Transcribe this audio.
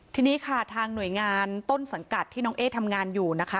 ทีนี้ค่ะทางหน่วยงานต้นสังกัดที่น้องเอ๊ทำงานอยู่นะคะ